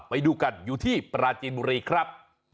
ไปดูกันอยู่ที่ปราจีนบุรีครับ